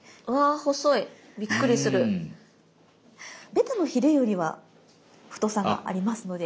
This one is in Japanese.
ベタのヒレよりは太さがありますので。